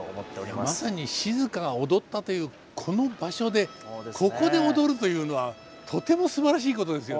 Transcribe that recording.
まさに静が踊ったというこの場所でここで踊るというのはとてもすばらしいことですよね。